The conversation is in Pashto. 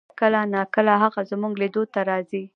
کله نا کله هغه زمونږ لیدو ته راځي